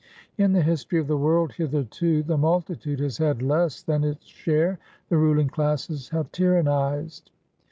In the history of the world hitherto, the multitude has had less than its share, the ruling classes have tyrannised.